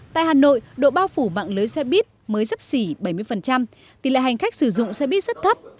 tại hà nội độ bao phủ mạng lưới xe buýt mới sắp xỉ bảy mươi tỷ lệ hành khách sử dụng xe buýt rất thấp